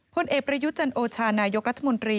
พ่อเอกประยุจญ์โอชาห์นายกรัฐมนตรี